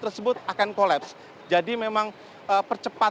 tersebut akan kolaps jadi memang percepatan pembangunan ini ini tidak hanya sekedar kemudian